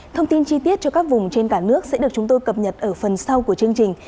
thông tin chi tiết cho các vùng trên cả nước sẽ được chúng tôi cập nhật ở phần sau của chương trình